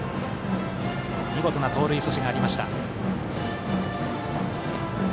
見事な盗塁刺しがありました。